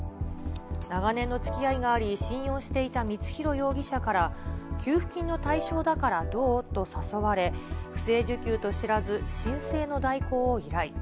長年のつきあいがあり、信用していた光弘容疑者から、給付金の対象だからどう？と誘われ、不正受給と知らず、申請の代行を依頼。